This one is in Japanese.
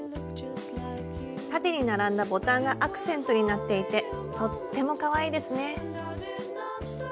縦に並んだボタンがアクセントになっていてとってもかわいいですね。